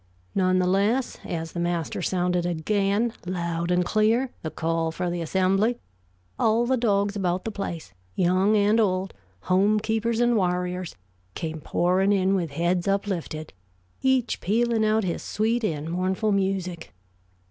None the less, as the master sounded again, loud and clear, the call for the assembly, all the dogs about the place, young and old, homekeepers and warriors, came pouring in with heads uplifted, each pealing out his sweet and mournful music.